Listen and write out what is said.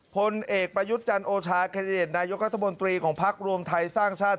พลเอกประยุทธ์จันโอชาแคนดิเดตนายกัธมนตรีของพักรวมไทยสร้างชาติ